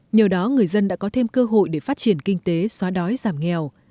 nhờ đó người dân đã có thêm cơ hội để phát triển kinh tế xóa đói giảm nghèo